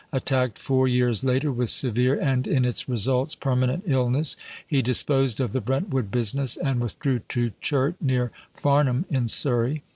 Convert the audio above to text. Attacked four years later with severe, and, in its results, permanent illness, he disposed of the Brentford business, and withdrew to Churt, near Farnham, in Surrey.